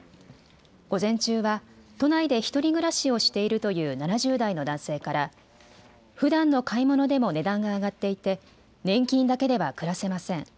午前中は都内で１人暮らしをしているという７０代の男性からふだんの買い物でも値段が上がっていて年金だけでは暮らせません。